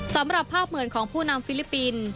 สำหรับภาพเหมือนของผู้นำฟิลิปปินส์